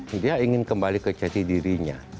dia ingin kembali ke jati dirinya